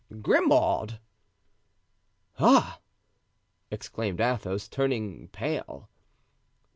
"Grimaud." "Ah!" exclaimed Athos, turning pale.